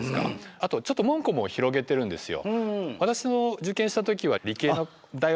あとちょっと門戸も広げてるんですよ。